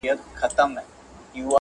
او منجمد سیاست په پایله کې